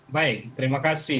baik terima kasih